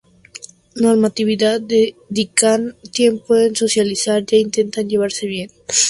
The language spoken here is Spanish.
Normatividad: dedican tiempo en socializar, ya intentan llevarse bien.